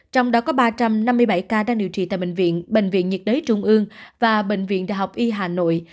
trong đó có ba trăm năm mươi bảy ca đang điều trị tại bệnh viện bệnh viện nhiệt đới trung ương và bệnh viện đại học y hà nội